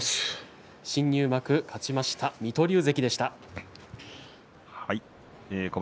新入幕勝ちました水戸龍関でした。